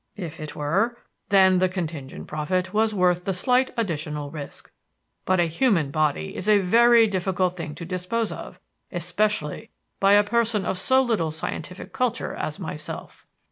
If it were, then the contingent profit was worth the slight additional risk. But a human body is a very difficult thing to dispose of, especially by a person of so little scientific culture as myself.